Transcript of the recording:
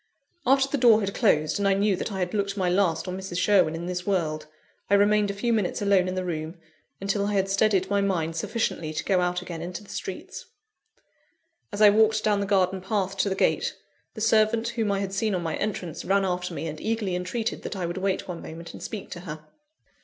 After the door had closed, and I knew that I had looked my last on Mrs. Sherwin in this world, I remained a few minutes alone in the room, until I had steadied my mind sufficiently to go out again into the streets. As I walked down the garden path to the gate, the servant whom I had seen on my entrance, ran after me, and eagerly entreated that I would wait one moment and speak to her.